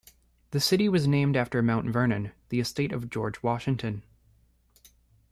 The city was named after Mount Vernon, the estate of George Washington.